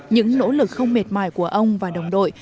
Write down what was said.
những nỗ lực không mệt mỏi của ông và đồng đội